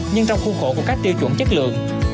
nhưng trong khuôn khổ của các tiêu chuẩn chất lượng